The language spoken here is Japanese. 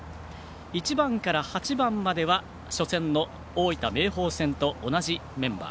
１番から８番までは初戦の大分・明豊戦と同じメンバー。